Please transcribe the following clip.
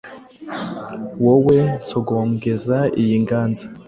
Wowe nsogongeza iyi nganz